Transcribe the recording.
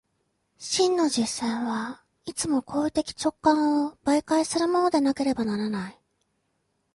真の実践はいつも行為的直観を媒介するものでなければならない。